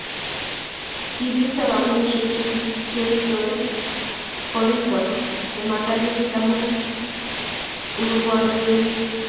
kibisto kampunisiek che kiichertoi korito ne ma talil aku imurwoni beek.